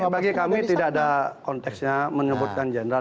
bagi kami tidak ada konteksnya menyebutkan jenderal